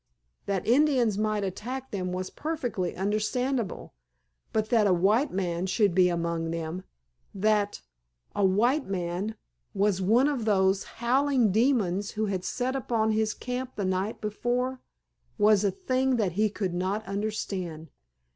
That Indians might attack them was perfectly understandable, but that a white man should be among them—that a white man was one of those howling demons who had set upon his camp the night before—was a thing that he could not understand.